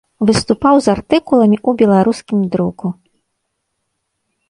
Выступаў з артыкуламі ў беларускім друку.